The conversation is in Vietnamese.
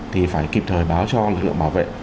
thì phải kịp thời báo cho lực lượng bảo vệ